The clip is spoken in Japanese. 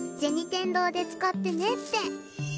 天堂で使ってねって。